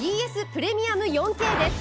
プレミアム４Ｋです。